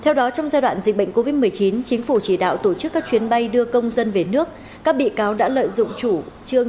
mở rộng điều tra vụ án đối với các tổ chức cá nhân liên quan xác minh kê biên tài sản để thu hồi